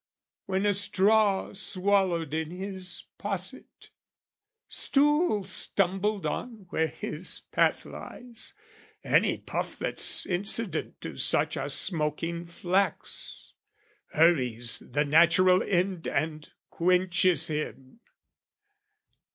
When a straw swallowed in his posset, stool Stumbled on where his path lies, any puff That's incident to such a smoking flax, Hurries the natural end and quenches him!